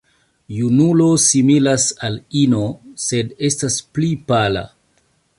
Junulo similas al ino, sed estas pli pala.